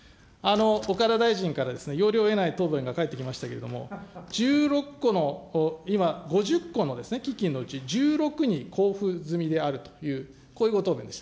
岡田大臣から要領を得ない答弁が返ってきましたけれども、１６個の、今５０個の基金のうち１６に交付済みであるという、こういうご答弁でした。